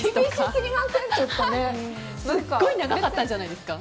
すごい長かったんじゃないですか。